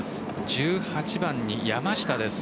１８番に山下です。